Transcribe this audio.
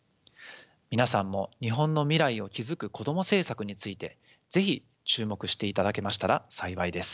皆さんも日本の未来を築くこども政策について是非注目していただけましたら幸いです。